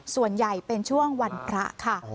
ส่วนใหญ่เป็นช่วงวันพระค่ะ